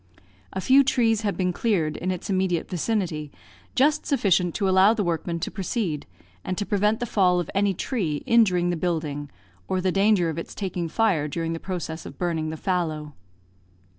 A few trees had been cleared in its immediate vicinity, just sufficient to allow the workmen to proceed, and to prevent the fall of any tree injuring the building, or the danger of its taking fire during the process of burning the fallow.